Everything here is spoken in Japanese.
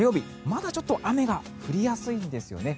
まだちょっと雨が降りやすいんですよね。